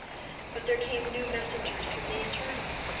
But there came new messengers from the Eternal.